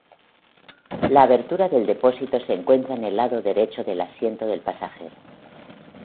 La abertura del depósito se encuentra en el lado derecho del asiento del pasajero.